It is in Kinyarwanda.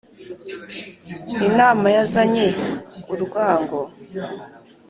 Inama yazanye u'urwango